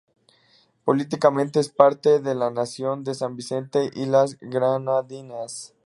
Políticamente, es parte de la nación de San Vicente y las Granadinas.